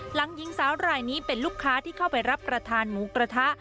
หญิงสาวรายนี้เป็นลูกค้าที่เข้าไปรับประทานหมูกระทะ